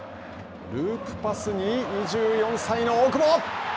ループパスに２４歳の大久保。